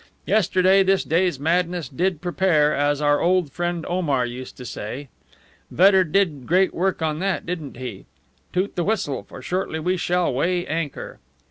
"Yesterday this day's madness did prepare, as our old friend Omar used to say. Vedder did great work on that, didn't he? Toot the whistle, for shortly we shall weigh anchor."